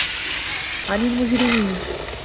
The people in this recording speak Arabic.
عَنِ المُجرِمينَ